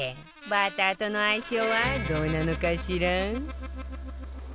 バターとの相性はどうなのかしら？